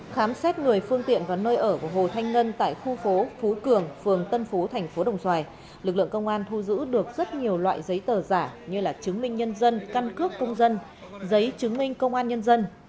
khám xét người phương tiện và nơi ở của hồ thanh ngân tại khu phố phú cường phường tân phú thành phố đồng xoài lực lượng công an thu giữ được rất nhiều loại giấy tờ giả như chứng minh nhân dân căn cước công dân giấy chứng minh công an nhân dân